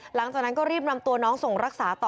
หลังจากนั้นก็รีบนำตัวน้องส่งรักษาต่อ